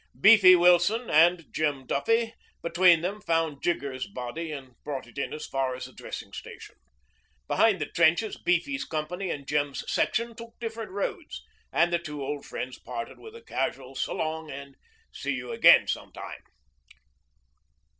Beefy Wilson and Jem Duffy between them found Jigger's body and brought it as far as the dressing station. Behind the trenches Beefy's company and Jem's section took different roads, and the two old friends parted with a casual 'S' long' and 'See you again sometime.'